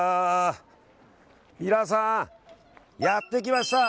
皆さん、やってきました。